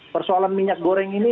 persoalan minyak goreng ini